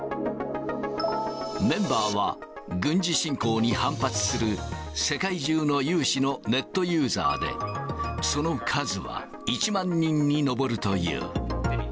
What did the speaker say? メンバーは軍事侵攻に反発する世界中の有志のネットユーザーで、その数は１万人に上るという。